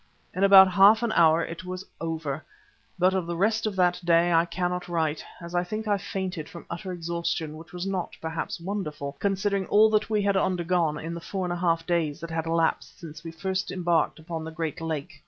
In about half an hour it was all over, but of the rest of that day I cannot write, as I think I fainted from utter exhaustion, which was not, perhaps, wonderful, considering all that we had undergone in the four and a half days that had elapsed since we first embarked upon the Great Lake.